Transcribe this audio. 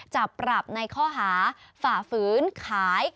จะปรับในข้อหาฝ่าฝืนขาย